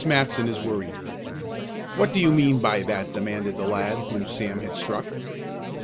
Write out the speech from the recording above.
MATSON IS WORRIED "What do you mean by that?" demanded the lad whom Sam had struck.